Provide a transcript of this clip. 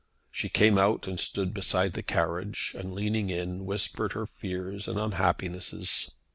She came out and stood beside the carriage, and leaning in, whispered her fears and unhappinesses.